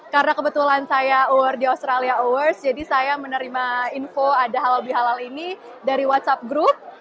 karena kebetulan saya awardee australia awards jadi saya menerima info ada halal bihalal ini dari whatsapp group